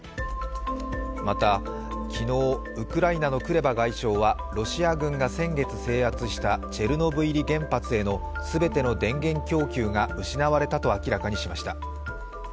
また、昨日、ウクライナのクレバ外相はロシア軍が先月制圧したチェルノブイリ原発への全ての電源供給が失われたと明らかにしました。